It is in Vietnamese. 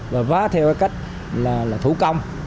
và vá theo cách thủ công